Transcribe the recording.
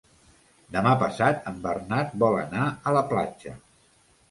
Demà passat en Bernat vol anar a la platja.